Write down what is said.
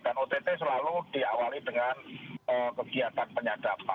dan ott selalu diawali dengan kegiatan penyadapan